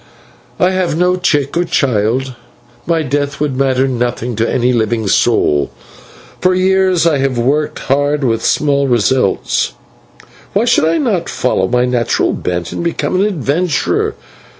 I have no chick or child; my death would matter nothing to any living soul; for years I have worked hard with small results; why should I not follow my natural bent and become an adventurer?